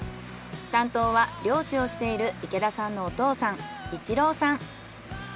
担当は漁師をしている池田さんのお父さん威知朗さん。